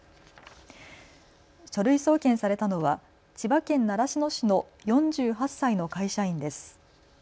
書類送検されたのは千葉県習志野市の４８歳の会社員です。